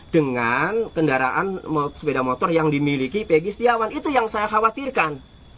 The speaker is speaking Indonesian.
dengan kendaraan sepeda motor yang dimiliki pegi setiawan itu yang saya khawatirkan